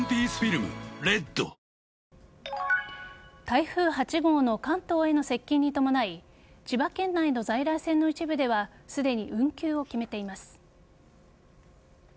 台風８号の関東への接近に伴い千葉県内の在来線の一部ではすでに運休を決めています。